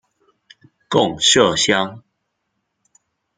贡麝香。